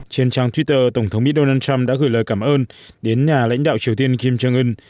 trên trang twitter tổng thống mỹ donald trump đã gửi lời cảm ơn đến nhà lãnh đạo triều tiên kim jong un